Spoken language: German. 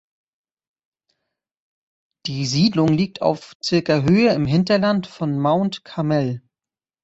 Die Siedlung liegt auf circa Höhe im Hinterland von Mount Carmel.